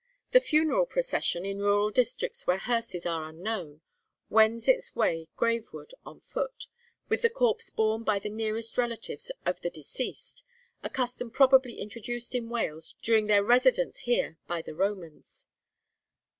The funeral procession, in rural districts where hearses are unknown, wends its way graveward on foot, with the corpse borne by the nearest relatives of the deceased, a custom probably introduced in Wales during their residence here by the Romans.